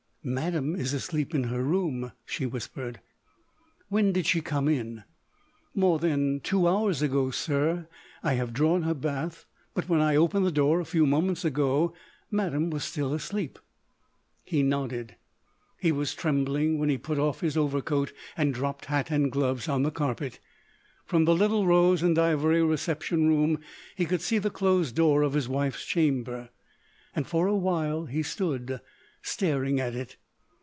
"Madame is asleep in her room," she whispered. "When did she come in?" "More than two hours ago, sir. I have drawn her bath, but when I opened the door a few moments ago, Madame was still asleep." He nodded; he was trembling when he put off his overcoat and dropped hat and gloves on the carpet. From the little rose and ivory reception room he could see the closed door of his wife's chamber. And for a while he stood staring at it.